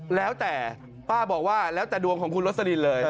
แล้วแต่ป้าบอกว่าแล้วแต่ดวงของคุณโรสลินเลย